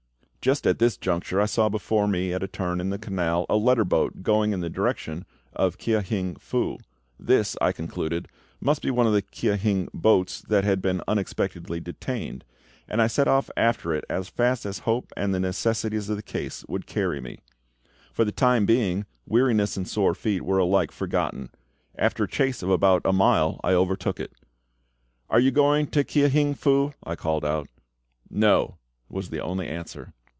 Just at this juncture I saw before me, at a turn in the canal, a letter boat going in the direction of Kia hing Fu This, I concluded, must be one of the Kia hing boats that had been unexpectedly detained, and I set off after it as fast as hope and the necessities of the case would carry me. For the time being weariness and sore feet were alike forgotten. After a chase of about a mile I overtook it. "Are you going to Kia hing Fu?" I called out. "No," was the only answer.